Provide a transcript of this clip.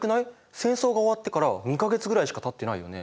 戦争が終わってから２か月ぐらいしかたってないよね？